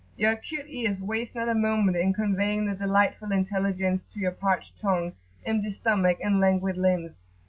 Your acute ears waste not a moment in conveying the delightful intelligence to your parched tongue, empty stomach, and languid limbs.